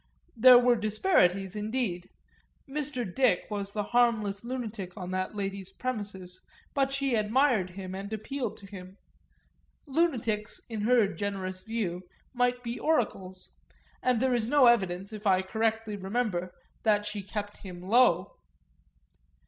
There were disparities indeed: Mr. Dick was the harmless lunatic on that lady's premises, but she admired him and appealed to him; lunatics, in her generous view, might be oracles, and there is no evidence, if I correctly remember, that she kept him low.